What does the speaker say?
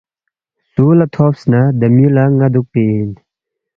سُو لہ تھوبس نہ دے میُو لہ ن٘ا دُوکپی اِن